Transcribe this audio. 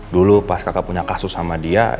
dulu pas kakak punya kasus sama dia